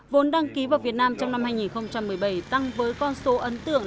vốn đăng ký vào việt nam trong năm hai nghìn một mươi bảy tăng với con số ấn tượng